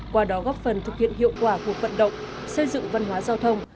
qua đó góp phần thực hiện hiệu quả cuộc vận động xây dựng văn hóa giao thông